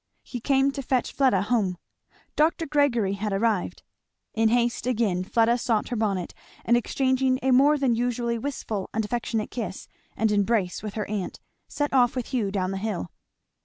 He came to fetch Fleda home. Dr. Gregory had arrived. In haste again Fleda sought her bonnet, and exchanging a more than usually wistful and affectionate kiss and embrace with her aunt, set off with Hugh down the hill.